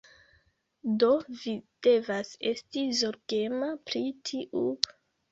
Do vi devas esti zorgema pri tiu...